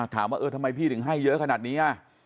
ถามว่าเออทำไมพี่ถึงให้เยอะขนาดนี้